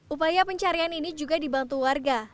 upaya pencarian ini juga dibantu warga